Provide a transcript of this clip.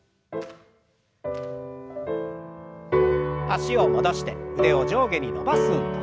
脚を戻して腕を上下に伸ばす運動。